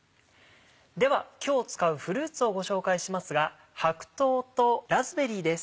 では今日使うフルーツをご紹介しますが白桃とラズベリーです。